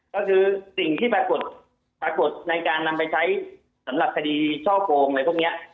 ก็คือสิ่งที่ปรากฏในการนำไปใช้สำหรับคดีช่อโกงอะไรพวกนี้